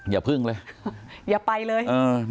อย่าพึ่งเลยอย่าไปเลย